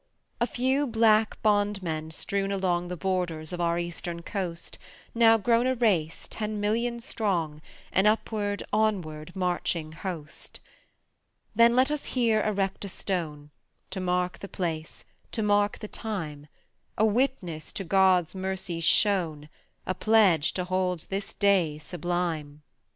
A few black bondmen strewn along The borders of our eastern coast, Now grown a race, ten million strong, An upward, onward marching host. Then let us here erect a stone, To mark the place, to mark the time; A witness to God's mercies shown, A pledge to hold this day sublime.